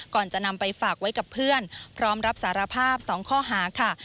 ก่อนจะนำไปฝากไว้กับเพื่อนพร้อมรับสารภาพ๒ข้อหาค่ะ